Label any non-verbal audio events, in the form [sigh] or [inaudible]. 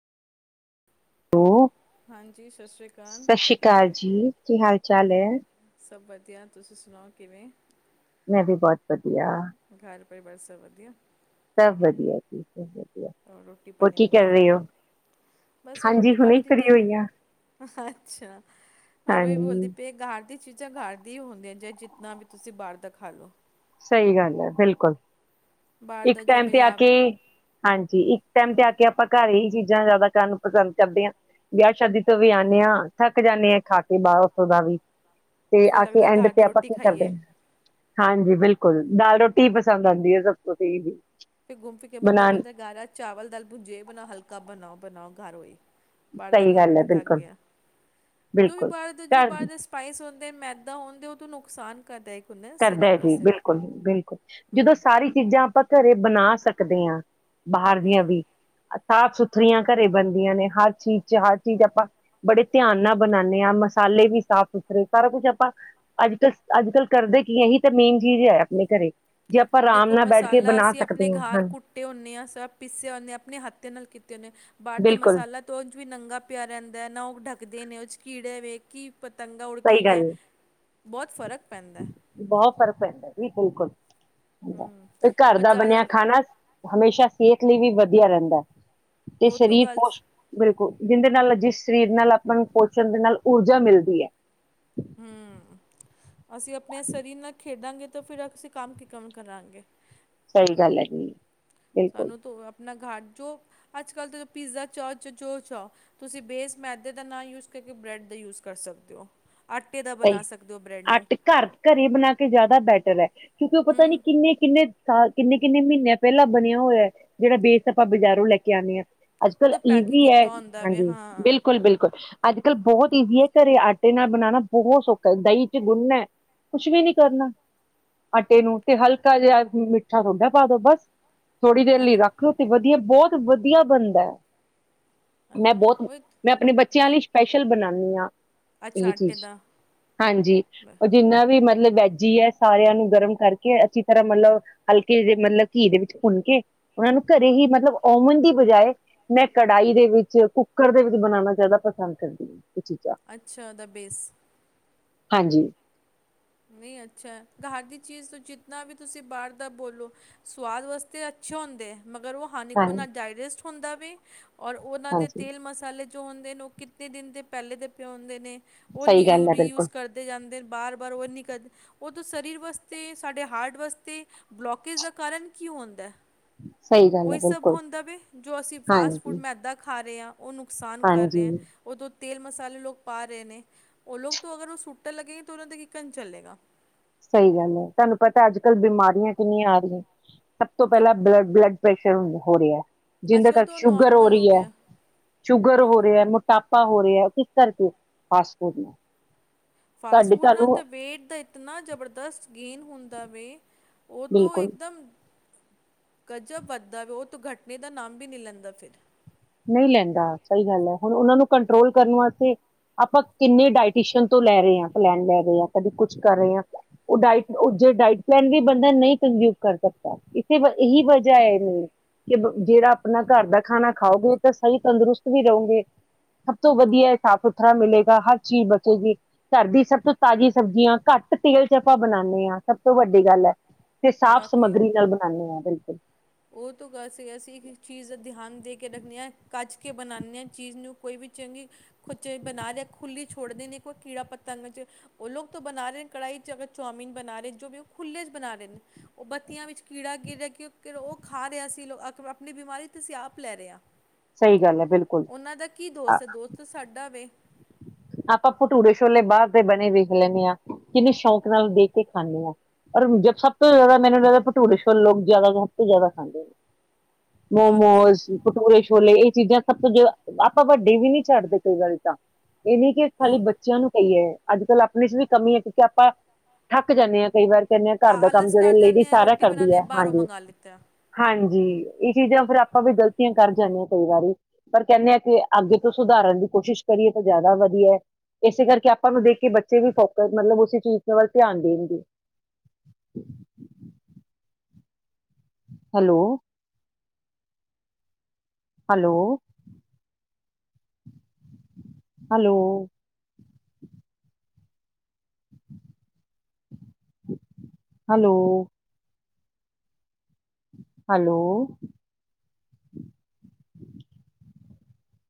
Hello, ਹਾਂਜੀ ਸਤਿ ਸ਼੍ਰੀ ਅਕਾਲ ਸਤਿ ਸ੍ਰੀ ਅਕਾਲ ਜੀ ਕੀ ਹਾਲ ਚਾਲ ਏ। ਸਭ ਵਧੀਆ ਤੁਸੀਂ ਸੁਣਾਓ ਕਿਵੇਂ ਮੈਂ ਵੀ ਬੋਤ ਵਧੀਆ। [unintelligible] ਸਬ ਵਧਿਆ? ਸਭ ਵਧੀਆ ਜੀ। ਸਭ ਵਧੀਆ। ਹੋਰ ਰੋਟੀ ਪਾਣੀ ਕੀ ਬਣ ਕਰ ਗਈ? ਰਹੇ ਹੋ? ਬਸ ਹੁਣ ਹਾਂਜੀ, ਰੋਟੀ ਹੁਣੇ ਪਾਣੀ ਹੀ ਫਰੀ ਦਿੱਤੀ ਏ, ਹੋਈ ਆ, ਅੱਛਾ ਮੈਂ ਓਹੀ ਹਾਂਜੀ। ਬੋਲਦੀ ਪਈ ਆ ਘਾਰ ਦੀ ਚੀਜ਼ਾਂ ਘਾਰ ਦੀ ਹੁੰਦੀਆਂ ਜੇ ਜਿਤਨਾ ਵੀ ਤੁਸੀਂ ਬਾਹਰ ਦਾ ਖਾਾਲੋ। ਸਹੀ ਗੱਲ ਹੈ ਬਿਲਕੁਲ। ਬਾਹਰ ਇੱਕ ਦਾ ਜੋ ਟਾਈਮ ਤੇ ਆ ਕੇ, ਮਿਲਾਵ ਹਾਂਜੀ ਇੱਕ ਟਾਈਮ ਤੇ ਆ ਕੇ ਆਪਾਂ ਘਰ ਹੀ ਚੀਜ਼ਾਂ ਜ਼ਿਆਦਾ ਕਾਨੂੰ ਪਸੰਦ ਕਰਦੇ ਹਾਂ, ਵਿਆਹ ਸ਼ਾਦੀ ਤੋਂ ਵੀ ਆਉਂਣੇ ਹਾਂ, ਥੱਕ ਜਾਂਣੇ ਹਾਂ ਖਾ ਕੇ ਬਾਹਰ, ਉੱਥੋਂ ਦਾ ਵੀ। ਤੇ ਫਿਰ ਆ ਕੇ ਲੱਗਦਾ ਐਂਡ ਘਰ ਤੇ ਦੀ ਆਪਾਂ ਰੋਟੀ ਕੀ ਕਰਦੇ ਖਾਈਏ ਹਾਂ? ਹਾਂਜੀ। ਬਿਲਕੁਲ, ਦਾਲ ਰੋਟੀ ਹੀ ਪਸੰਦ ਆਉਂਦੀ ਹੈ ਸਭ ਤੋਂ ਸਹੀ ਜੇ। ਫਿਰ ਘੁੰਮ ਫਿਰ ਕੇ ਬੰਦਾ ਬੋਲਦਾ ਘਰ ਆ ਚਾਵਲ ਦਾਲ ਭੂੰਜੇ ਬਣਾਓ, ਹਲਕਾ ਬਣਾਓ। ਬਣਾਓ ਘਰ ਓਹੀ। ਬਾਹਰ ਦਾ ਸਹੀ ਖਾ ਕੇ ਗੱਲ ਹੈ, ਵੀ ਥਕ ਗਏ ਆ, ਜੋ ਵੀ ਬਿਲਕੁਲ-ਬਿਲਕੁਲ ਬਾਹਰ ਦਾ ਜੋ ਘਰ ਬਾਹਰ ਦਾ ਸਪਾਈਸ ਹੁੰ ਤੇ ਮੈਦਾ ਹੋਣ ਦੇ ਉਹ ਤੂੰ ਨੁਕਸਾਨ ਕਰਦਾ ਕਰਦਾ ਹੈਂ ਜੀ, ਬਿਲਕੁਲ-ਬਿਲਕੁਲ ਜਦੋਂ ਸਾਰੀ ਚੀਜ਼ਾਂ ਆਪਾਂ ਘਰੇ ਬਣਾ ਸਕਦੇ ਹਾਂ ਬਾਹਰ ਦੀਆਂ ਵੀ ਸਾਫ਼ ਸੁਥਰੀਆਂ ਘਰੇ ਬਣਦੀਆਂ ਨੇ, ਹਰ ਚੀਜ਼ ਚ ਹਰ ਚੀਜ਼ ਆਪਾਂ ਬੜੇ ਧਿਆਨ ਨਾਲ ਬਣਾਉਂਣੇ ਹਾਂ, ਮਸਾਲੇ ਵੀ ਸਾਫ਼ ਸੁਥਰੇ, ਸਾਰਾ ਕੁਛ ਆਪਾਂ ਅੱਜ ਟਸ, ਅੱਜ ਕੱਲ੍ਹ ਕਰਦੇ ਕੀ ਏ? ਇਹੀ ਤਾਂ ਮੇਨ ਚੀਜ਼ ਹੈ ਆਪਣੇ ਘਰੇ। ਜੇ ਆਪਾਂ ਆਰਾਮ ਦੇਖੋ ਨਾਲ ਬੈਠ ਕੇ ਮਸਾਲਾ ਬਣਾ ਅਸੀਂ ਆਪਣੇ ਸਕਦੇ ਹਾਂ ਘਾਰ ਹਾਂ ਕੁੁੱਟੇ ਹੁੰਣੇ ਹਾਂ, ਸਭ ਪੀਸੇ ਹੁੰਣੇ ਹ ਆਪਣੇ ਹੱਥ ਦੇ ਨਾਲ ਕੀਤੇ ਹੁੰਣੇ ਆ ਬਾਹਰ ਦੇ ਬਿਲਕੁਲ ਮਸਾਲਾ ਤੋਂ ਉਂਜ ਵੀ ਨੰਗਾ ਪਿਆ ਰਹਿੰਦਾ ਹੈ ਨਾ ਉਹ। ਡਢੱਕਦੇ ਨੇ, ਉਹ ਚ ਕੀੜੇ ਵੇ ਕਿ ਪਤੰਗਾਂ ਉੱਡ ਕੇ ਸਹੀ ਗੱਲ ਗਿਆ, ਹੈ, ਬਹੁਤ ਫ਼ਰਕ ਪੈਂਦਾ ਏ। ਬਹੁਤ ਫ਼ਰਕ ਪੈਂਦਾ ਜੀ ਬਿਲਕੁਲ। ਤੇ ਘਰ ਔਰ ਦਾ ਜ਼ਿਆਦਾ ਬਣਿਆ ਖਾਣਾ, ਹਮੇਸ਼ਾ ਸਿਹਤ ਲਈ ਵੀ ਵਧੀਆ ਰਹਿੰਦਾ। ਤੇ ਉਹ ਤੋਂ ਸ਼ਰੀਰ ਗੱਲ ਸ- ਪੁਸ਼, ਬਿਲਕੁਲ। ਜਿੰਦੇ ਨਾਲ ਜਿਸ ਸਰੀਰ ਨਾਲ ਆਪਾਂ ਨੂੰ ਪੋਸ਼ਣ ਦੇ ਨਾਲ ਊਰਜਾ ਮਿਲਦੀ ਹੈ। ਹਮ, ਅਸੀਂ ਆਪਣੇ ਸਰੀਰ ਨਾਲ ਖੇਡਾਂਗੇ ਤਾਂ ਫਿਰ ਅਸੀਂ ਕੰਮ ਕੀ ਕੰਮ ਕਰਾਂਗੇ? ਸਹੀ ਗੱਲ ਹੈ ਜੀ। ਬਿਲਕੁਲ ਸਾਨੂੰ ਤੋਂ ਆਪਣਾ ਘਾਰ ਜੋ, ਅੱਜ ਕੱਲ ਤੇ ਪੀਜ਼ਾ ਚਾਹ ਜੋ-ਜੋ ਚਾਹੋ, ਤੁਸੀਂ ਬੇਸ ਮੈਦੇ ਦਾ ਨਾ ਯੂਜ਼ ਕਰਕੇ, ਬ੍ਰੈਡ ਦਾ ਯੂਜ਼ ਕਰ ਸਕਦੇ ਹੋ। ਆਟੇ ਦਾ ਬਣਾ ਸਹੀ, ਸਕਦੇ ਹੋ ਬ੍ਰੈਡ ਨੂੰ ਆਟੇ ਘਰ ਘਰੇ ਬਣਾ ਕੇ ਜਿਆਦਾ ਬੈਟ ਟਰ ਹੈਂ। ਕਿਉਂਕਿ ਉਹ ਪਤਾ ਨੀ ਹੂੰ ਕਿੰਨੇ-ਕਿੰਨੇ ਸਾਲ ਕਿੰਨੇ-ਕਿੰਨੇ ਮਹੀਨਿਆਂ ਪਹਿਲਾਂ ਬਣ ਹੋਇਆ ਏ, ਜਿਹੜਾ ਬੈਸ ਆਪਾਂ ਬਾਜ਼ਾਰੋਂ ਲੈ ਕੇ ਆਉਂਣੇ ਹਾਂ। ਉਹ ਅੱਜ-ਕੱਲ ਤਾਂ ਪੈਕਿੰਗ ਈਜ਼ੀ ਐ, ਕੀਤਾ ਹੁੰਦਾ ਵੇ ਹਾਂਜੀ ਹਾਂ ਬਿਲਕੁਲ-ਬਿਲਕੁਲ ਅੱਜ-ਕੱਲ੍ਹ ਬੋਹੋਤ ਈਜ਼ੀ ਏ ਘਰੇ ਆਟੇ ਨਾਲ ਬਣਾਣਾ ਬੋਹੋਤ ਸੌਖਾ ਐ। ਦਹੀਂ ਚ ਗੁੰਨਨਾ ਐ। ਕੁਛ ਵੀ ਨੀ ਕਰਨਾ, ਆਟੇ ਨੂੰ ਤੇ ਹਲਕਾ ਜਿਆ ਮਿੱਠਾ ਸੋਡਾ ਪਾ ਦੋ ਬਸ। ਥੋੜੀ ਦੇਰ ਲਈ ਹਨਾ ਰੱਖ ਦੋ [unintelligible] ਦੀ ਐ ਬੋਤ ਵਧੀਆ ਬਣਦੈ। ਮੈਂ ਹਨਾ ਬੋਤ ਉਹ ਮੈਂ ਆਪਣੇ ਬੱਚਿਆਂ ਲਈ ਸਪੈਸ਼ਲ ਬਣਾਨੀ ਆਂ ਅੱਛਾ ਆਟੇ ਦਾ ਹਾਂਜੀ ਬ- ਉਹ ਜਿੰਨਾ ਵੀ ਮਤ ਮਤਲਬ ਵੈਜ ਈ ਐ। ਸਾਰਿਆਂ ਨੂੰ ਗਰਮ ਕਰਕੇ ਅੱਛੀ ਤਰ੍ਹਾਂ ਮਤਲਬ ਹਲਕੇ ਜੀ ਮਤਲਬ ਘੀ ਦੇ ਵਿੱਚ ਭੁੰਨ ਕੇ ਉਹਨਾ ਨੂੰ ਘਰੇ ਹੀ ਮਤਲਬ ਔਵਨ ਦੀ ਬਜਾਏ ਮੈਂ ਕੜਾਈ ਦੇ ਵਿੱਚ, ਕੁੱਕਰ ਦੇ ਵਿੱਚ ਬਣਾਣਾ ਜ਼ਿਆਦਾ ਪਸੰਦ ਕਰਦੀ ਇਹ ਚੀਜ਼ਾਂ ਅੱਛਾ ਔਦਾ ਬੇਸ ਹਾਂਜੀ। ਨਈ ਅੱਛਾ ਐ। ਘਾਰ ਦੀ ਚੀਜ਼ ਤੋਂ ਜਿਤਨਾ ਵੀ ਤੁਸੀ ਬਾਰ ਦਾ ਬੋਲੋ ਸਵਾਦ ਵਾਸਤੇ ਅੱਛੇ ਹੋਂਦੇ ਐ ਮਗਰ ਵੋ ਹਾਨੀ ਹਾਂ ਔ ਨਾ ਡਾਇਜੈਸਟ ਹੁੰਦਾ ਵੀ ਔਰ ਔਨਾਂ ਦੇ ਹਾਂਜੀ ਤੇਲ ਮਸਾਲੇ ਜੋ ਹੁੰਦੇ ਨੇ ਔ ਕਿਤਨੇ ਦਿਨ ਦੇ ਪੈਲੇ ਦੇ ਪੇ ਹੁੰਦੇ ਨੇ। ਔਨ ਸਹੀ ਗੱਲ ਯੂ ਹੈ ਰੀ ਯੂਜ ਬਿਲਕੁਲ ਕਰਦੇ ਜਾਂਦੇ ਨ। ਬਾਰ ਬਰ ਔ ਨੀ ਕਦ, ਔ ਤੋਂ ਸਰੀਰ ਵਾਸਤੇ, ਸਾਡੇ ਹਾਰਟ ਵਾਸਤੇ ਬਲੋਕੇਜ਼ ਦਾ ਕਾਰਨ ਕੀ ਹੋਂਦੈ? ਸਹੀ ਗੱਲ ਹੈ ਔਈ ਸਭ ਬਿਲਕੁਲ ਹੁੰਦਾ ਵੇ ਜੋ ਅਸੀ ਫਾਸਟ ਫੂਡ, ਹਾਂਜੀ ਮੈਦਾ ਖਾ ਰਏ ਆਂ। ਔ ਨੁਕਸਾਨ ਕਰ ਹਾਂਜੀ ਰਿਐਂ ਔਦੋਂ ਤੇਲ ਮਸਾਲੇ ਲੋਕ ਪਾ ਰੇ ਨੇ। ਔ ਲੋਕ ਤੋ ਅਗਰ ਔ ਸੁੱਟਣ ਲੱਗੇਗੇ ਤਾ ਔਨਾਂ ਦਾ ਕੱਕਨ ਚੱਲੇਗਾ। ਸਈ ਗੱਲ ਐ। ਤੁਆਨੂੰ ਪਤੈ ਅੱਜ-ਕੱਲ ਬਿਮਾਰੀਆਂ ਕਿੰਨੀਆਂ ਆ ਰਹੀਐ। ਸਭ ਤੋਂ ਪਹਿਲਾਂ ਬਲ ਬਲੱਡ ਪ੍ਰੈਸ਼ਰ ਹੋ ਰਿਹੈ। ਅੱਜ ਜਿੰਦੇ ਕੱਲ੍ਹ ਤਾਂ ਕਰਕੇ ਉਹ ਸ਼ੁੱਗਰ ਹੋ ਨੋਰਮਲ ਰੀ ਐ, ਗਿਆ। ਸ਼ੁੱਗਰ ਹੋ ਰਿਐ, ਮੋਟਾਪ ਪਾ ਹੋ ਰਿਐ। ਕਿਸ ਕਰਕੇ? ਫਾਸਟ ਫੂਡ ਨੂੰ ਫਾਸਟ ਫੂਡ ਨਾਲ ਤੇ ਵੇਟ ਦਾ ਇਤਨਾ ਜਬਰ ਦਸਤ ਗੇਨ ਹੁੰਦਾ ਵੇ ਔ ਤੋ ਬਿਲਕੁਲ ਏਕਦਮ ਗਜ਼ਬ ਵੱਧਦਾ ਵੇ। ਔ ਤੋ ਘਟਨੇ ਦਾ ਨਾਮ ਵੀ ਨੀ ਲੈਂਦਾ ਫਿਰ। ਨਈ ਲੈਂਦਾ, ਸਈ ਗੱਲ ਐ। ਹੁਣ ਉਹਨਾਂ ਨੂੰ ਕੰਟਰੋਲ ਕਰਨ ਵਾਸਤੇ ਆਪਾਂ ਕਿੰਨੇ ਡਾਇਟੀਸ਼ਨ ਤੋਂ ਲੈ ਰੇ ਆਂ, ਪਲੈਨ ਲੈ ਰੇ ਆਂ। ਕਦੀ ਕੁਛ ਕਰ ਰੇ ਆਂ। ਔ ਡਾਈਟ, ਔ ਜੇ ਡਾਈਟ ਪਲੈਨ ਵੀ ਬੰਦਾ ਨਈ ਕੰਜਿਊਮ ਕਰ ਸਕਦਾ। ਇਸੇ ਗਲ ਇਹੀ ਵਜ੍ਹਾ ਐ ਮੇਨ ਕਿ ਬ ਜਿਹੜਾ ਆਪਣਾ ਘਰ ਦਾ ਖਾਣਾ ਖਾਔਗੇ ਤਾਂ ਸਈ ਤੰਦਰੁਸਤ ਵੀ ਰਉਂਗੇ। ਸਭ ਤੋਂ ਵਧੀਆ ਇਹ ਸਾਫ਼ ਸੁਥਰਾ ਮਿਲੇਗਾ। ਹਰ ਚੀਜ਼ ਬਚੇਗੀ। ਘਰ ਦੀ ਸਭ ਤੋਂ ਤਾਜ਼ੀ ਸਬਜ਼ੀਆਂ ਘੱਟ ਤੇਲ ਚ ਆਪਾਂ ਬਨਾਨੇ ਆਂ, ਸਭ ਤੋਂ ਵੱਡੀ ਗੱਲ ਐ ਤੇ ਸਾਫ਼ ਸਮੱਗਰੀ ਨਾਲ ਬਨਾਨੇ ਆਂ। ਬਿਲਕੁਲ। ਔ ਤੋਂ ਗੱਲ ਸਈ ਅ। ਅਸੀ ਇੱਕ-ਇੱਕ ਚੀਜ਼ ਦਾ ਧਿਆਨ ਦੇ ਕੇ ਰੱਖਨੇ ਐ। ਕੱਜ ਕੇ ਬਨਾਨੇ ਐ ਚੀਜ਼ ਨੂੰ ਕੋਈ ਵੀ ਚੰਗੀ ਕੁਛ ਬਣਾ ਰਿਐ ਖੁੱਲੀ ਛੋੜਦੇ ਨੇ ਕੋਈ ਕੀੜਾ ਪਤੰਗਾ ਜ ਔ ਲੋਗ ਤੋ ਬਣਾ ਰੇ ਨ ਕੜਾਈ ਚ ਅਗਰ ਚੌਮਿਨ ਬਣਾ ਰੇ ਜੋ ਬੀ ਉਹ ਖੁੱਲੇ ਚ ਬਣਾ ਰੇ ਨ। ਔ ਬੱਤੀਆਂ ਵਿੱਚ ਕੀੜਾ ਗਿਰ ਰਿਐ ਕੀ ਔ ਕਿੱਕਰ [unintelligible] ਔ ਖਾ ਰਿਹਾ ਸੀ ਆਪਣੀ ਬਿਮਾਰੀ ਤੇ ਅਸੀਂ ਆਪ ਲੈ ਰਹੇ ਹਾਂ ਸਹੀ ਗੱਲ ਹੈ ਬਿਲਕੁਲ ਉਹਨਾਂ ਦਾ ਕੀ ਦੋਸਤ ਹੈ ਦੋਸਤ ਸਾਡਾ ਵੇ ਆਪਾਂ ਭਟੂਰੇ ਛੋਲੇ ਬਾਹਰ ਦੇ ਬਣੇ ਵੇਖ ਲੈਂਦੇ ਹਾਂ ਕਿੰਨੇ ਸ਼ੌਂਕ ਨਾਲ ਦੇਖ ਕੇ ਖਾਂਦੇ ਹਾਂ ਰ ਜ ਸਭ ਤੋਂ ਜ਼ਿਆਦਾ ਮੈਨੂੰ ਲੱਗਦਾ ਭਟੂਰੇ ਛੋਲੇ ਲੋਕ ਜ਼ਿਆਦਾ ਸਭ ਤੋਂ ਜ਼ਿਆਦਾ ਖਾਂਦੇ ਨੇ ਬਾਕੀ ਮੋਮੋਸ ਭਟੂਰੇ ਛੋਲੇ ਇਹ ਚੀਜ਼ਾਂ ਸਭ ਤੋਂ ਜੇ ਆਪਾਂ ਵੱਡੇ ਵੀ ਨੀ ਛੱਡਦੇ ਕਈ ਵਾਰੀ [unintelligible] ਇਹ ਨਹੀਂੀ ਕਿ ਖਾਲੀ ਉਹ ਬੱਚਿਆਂ ਨੂੰ ਕਹੀਏ ਅੱਜ ਕੱਲ੍ਹ ਆਪਣੇ ਚ ਵੀ ਕਮੀ ਹੈ ਕਿਉਂਕਿ ਆਪਾਂ ਥੱਕ ਜਾਂਦੇ ਹਾਂ ਕਈ ਵਾਰ ਕਿੰਨ ਆ ਘਰ ਦਾ ਕੰਮ ਆਲਸ ਜਿਹੜੇ ਕਰ ਲੇਡੀਜ਼ ਜਾਂਦੇ ਆ ਸਾਰਾ ਰੋਟੀ ਕਰਦੀ ਬਣਾਉਂਦੇ ਹੈ ਹਾਂ ਬਾਹਰੋਂ ਹਾਂਜੀ ਮੰਗਵਾ ਲਿੱਤਾ ਹਾਂਜੀ ਜੀ ਇਹ ਚੀਜ਼ਾਂ ਫੇਿਰ ਆਪਾਂ ਵੀ ਗ਼ਲਤੀਆਂ ਕਰ ਜਾਂਦੇ ਹਾਂ ਕਈ ਵਾਰੀ ਪਰ ਕਹਿੰਦੇ ਹਾਂ ਕਿ ਅੱਗੇ ਤੋਂ ਸੁਧਾਰਨ ਦੀ ਕੋਸ਼ਿਸ਼ ਕਰੀਏ ਤਾਂ ਜ਼ਿਆਦਾ ਵਧੀਆ ਇਸੇ ਕਰਕੇ ਆਪਾਂ ਨੂੰ ਦੇਖ ਕੇ ਬੱਚੇ ਵੀ ਫੋਕਸ ਮਤਲਬ ਉਸੇ ਚੀਜ਼ ਦੇ ਵੱਲ ਧਿਆਨ ਦੇਣਗੇ hello hello hello hello hello